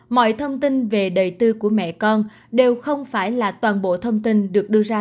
mọi thông tin về đời tư của mẹ con đều không phải là toàn bộ thông tin được đưa ra